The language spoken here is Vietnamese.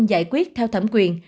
không giải quyết theo thẩm quyền